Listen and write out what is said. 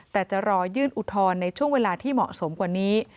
แต่จะรอยื่นอุทธรณ์ในช่วงเวลาที่เหมาะสมกว่านี้